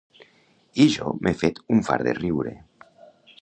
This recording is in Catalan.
I jo m'he fet un fart de riure